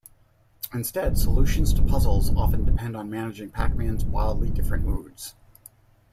Instead, solutions to puzzles often depend on managing Pac-Man's wildly different moods.